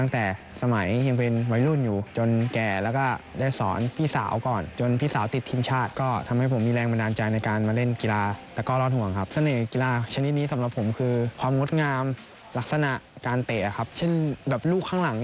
ที่เป็นนักศักดิ์ก้อรอดห่วงทีมชาติไทยในปัจจุบัน